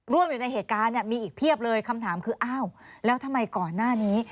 อยู่ในเหตุการณ์เนี่ยมีอีกเพียบเลยคำถามคืออ้าวแล้วทำไมก่อนหน้านี้